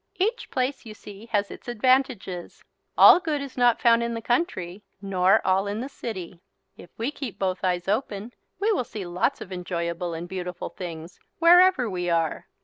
Each place you see has its advantages. All good is not found in the country, nor all in the city. If we keep both eyes open we will see lots of enjoyable and beautiful things wherever we are.